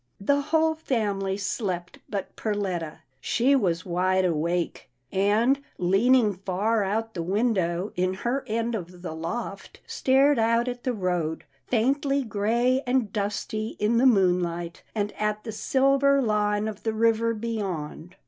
The whole family slept but Perletta. She was wide awake, and, leaning far out the window in 280 'TILDA JANE'S ORPHANS her end of the loft, stared out at the road, faintly gray and dusty in the moonlight, and at the silver line of the river beyond.